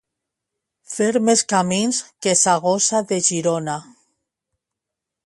Fer més camins que sa gossa de Girona.